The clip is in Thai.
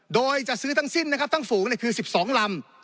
โดยจะซื้อทั้งสิ้นนะครับทั้งฝูงคือ๑๒ลำ